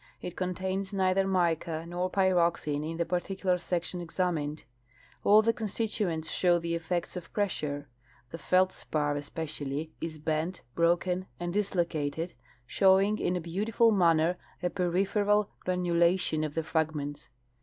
It contains neither mica nor pyroxene in the particular section examined. All the constitu ents show^ the effects of pressure. The feldspar especially is bent, broken and dislocated, showing in a beautiful manner a peripheral granulation of the fragments.'